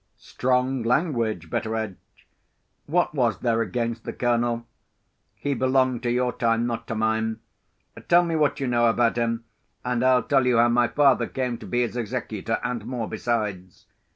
"Strong language, Betteredge! What was there against the Colonel. He belonged to your time, not to mine. Tell me what you know about him, and I'll tell you how my father came to be his executor, and more besides.